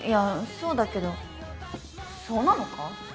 そうだけどそうなのか？